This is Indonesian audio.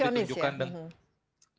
lebih proteksionis ya